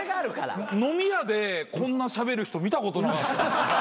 飲み屋でこんなしゃべる人見たことなかった。